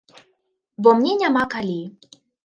Бо мне няма калі.